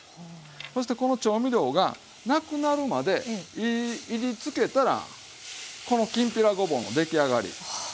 そしてこの調味料がなくなるまでいりつけたらこのきんぴらごぼうの出来上がり。